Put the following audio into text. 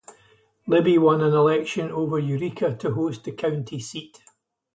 Libby won an election over Eureka to host the county seat.